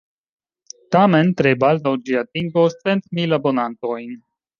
Tamen, tre baldaŭ, ĝi atingos centmil abonantojn.